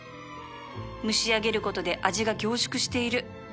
蒸し上げることで味が凝縮している